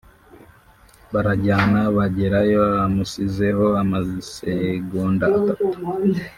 barajyana bagerayo amusizeho amasegonda atatu